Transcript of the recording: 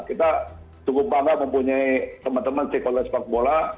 kita cukup bangga mempunyai teman teman sekolah sepak bola